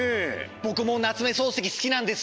ぼくも夏目漱石すきなんですよ。